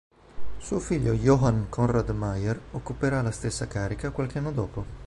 Suo figlio Johann Conrad Meyer occuperà la stessa carica qualche anno dopo.